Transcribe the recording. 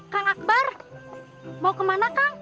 kang akbar mau ke mana kang